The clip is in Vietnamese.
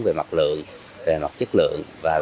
về mặt lượng về mặt chất lượng